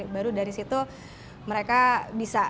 baru dari situ mereka bisa